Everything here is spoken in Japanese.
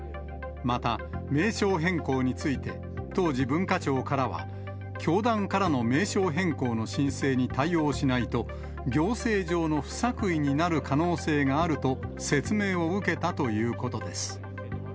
また、名称変更について当時、文化庁からは、教団からの名称変更の申請に対応しないと、行政上の不作為になる可能性があると説明を受けたということです。